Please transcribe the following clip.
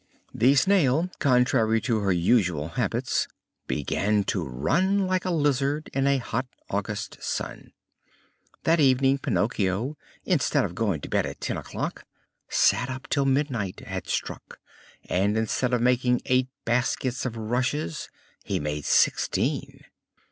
The Snail, contrary to her usual habits, began to run like a lizard in a hot August sun. That evening Pinocchio, instead of going to bed at ten o'clock, sat up till midnight had struck; and instead of making eight baskets of rushes he made sixteen.